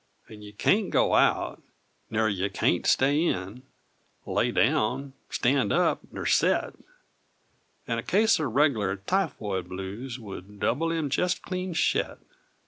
And you can't go out ner you can't stay in Lay down stand up ner set!" And a case o' reguller tyfoid blues Would double him jest clean shet!